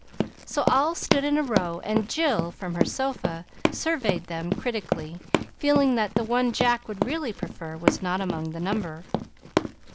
So all stood in a row, and Jill, from her sofa, surveyed them critically, feeling that the one Jack would really prefer was not among the number.